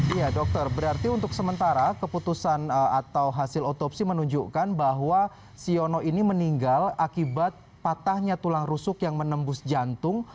iya dokter berarti untuk sementara keputusan atau hasil otopsi menunjukkan bahwa siono ini meninggal akibat patahnya tulang rusuk yang menembus jantung